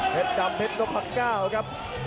เพชรดำเพชรนพักเก้าครับ